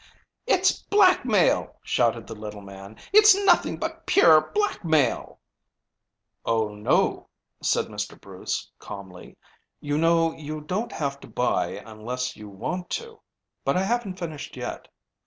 "It's blackmail!" shouted the little man. "It's nothing but pure blackmail." "Oh, no," said Mr. Bruce calmly. "You know you don't have to buy unless you want to. But I haven't finished yet.